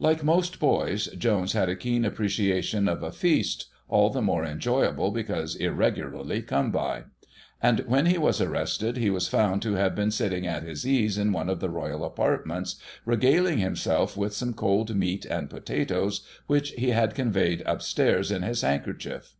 Like most boys, Jones had a keen appreciation of a feast, all the more enjoyable because irregularly come by; and, when he was arrested,^ he was found to have been sitting at his ease in one of the royal apartments, regaling himself with some cold meat and potatoes, which he had conveyed upstairs in his handkerchief.